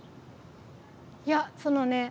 いやそのね